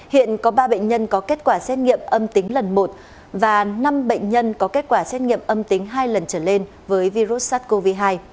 hiện có ba bệnh nhân có kết quả xét nghiệm âm tính lần một và năm bệnh nhân có kết quả xét nghiệm âm tính hai lần trở lên với virus sars cov hai